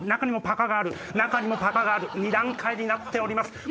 中にもパカがある２段階になっております。